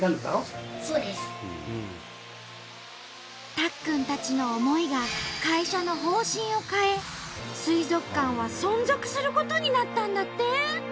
たっくんたちの思いが会社の方針を変え水族館は存続することになったんだって！